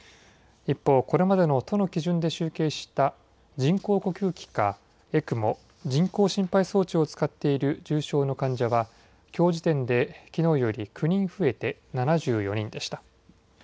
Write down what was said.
一方、これまでの都の基準で集計した人工呼吸器かＥＣＭＯ・人工心肺装置を使っている重症の患者は、きょう時点できのうより９人増えて７４人でした。